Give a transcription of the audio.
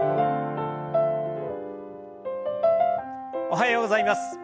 おはようございます。